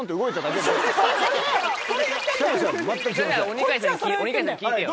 お２階さんに聞いてよ。